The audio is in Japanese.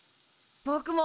ぼくも。